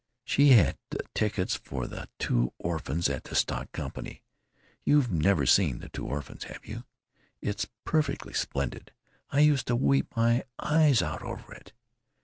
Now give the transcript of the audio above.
She had tickets for 'The Two Orphans' at the stock company. (You've never seen 'The Two Orphans,' have you? It's perfectly splendid. I used to weep my eyes out over it.)